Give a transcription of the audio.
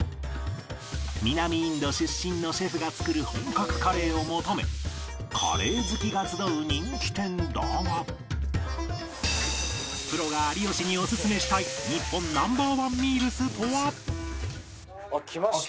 南インド出身のシェフが作る本格カレーを求めカレー好きが集う人気店だがプロが有吉におすすめしたい日本ナンバー１ミールスとは？来ました。